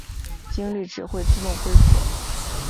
精力值会自动恢复。